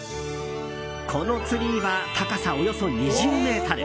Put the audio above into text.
このツリーは高さおよそ２０ｍ。